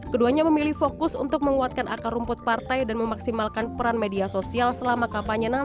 keduanya memilih fokus untuk menguatkan akar rumput partai dan memaksimalkan peran media sosial selama kampanye nanti yang hanya tujuh puluh lima hari